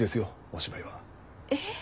お芝居は。えっ？